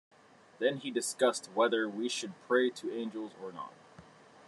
Then he discussed whether we should pray to angels or not.